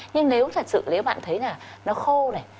nhưng nếu thật sự nếu bạn thấy là nó khô này